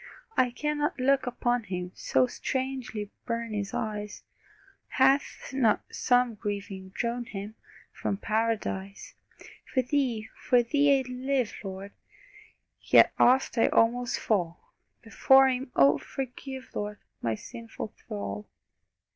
I cannot look upon Him, So strangely burn His eyes Hath not some grieving drawn Him From Paradise? For Thee, for Thee I'd live, Lord! Yet oft I almost fall Before Him Oh, forgive, Lord, My sinful thrall!